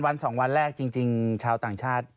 วัน๒วันแรกจริงชาวต่างชาติ